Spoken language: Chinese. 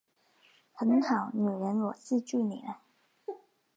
很好，女人我记住你了